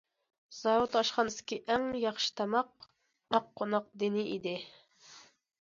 زاۋۇت ئاشخانىسىدىكى ئەڭ ياخشى تاماق ئاق قوناق دېنى ئىدى.